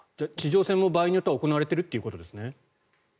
地上戦も場合によっては行われているということですね？